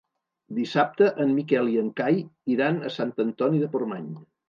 Dissabte en Miquel i en Cai iran a Sant Antoni de Portmany.